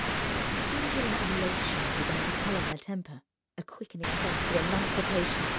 A singular elation began to colour her temper, a quickening sense of emancipation.